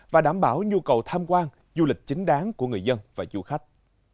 và đảm bảo nhu cầu tham quan du lịch chính đáng của người dân và du khách